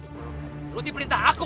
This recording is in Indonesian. tapi kalau kalian menuruti perintah aku